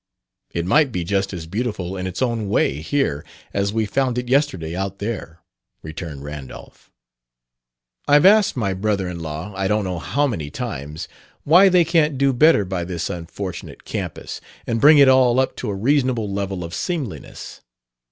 "It might be just as beautiful in its own way, here, as we found it yesterday, out there," returned Randolph. "I've asked my brother in law, I don't know how many times, why they can't do better by this unfortunate campus and bring it all up to a reasonable level of seemliness.